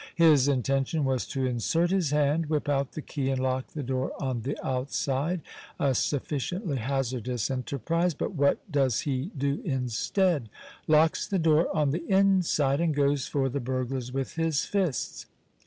His intention was to insert his hand, whip out the key, and lock the door on the outside, a sufficiently hazardous enterprise; but what does he do instead? Locks the door on the inside, and goes for the burglars with his fists!